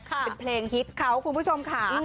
เป็นเพลงฮิตเขาคุณผู้ชมค่ะ